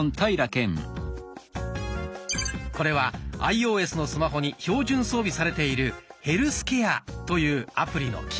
これはアイオーエスのスマホに標準装備されている「ヘルスケア」というアプリの機能です。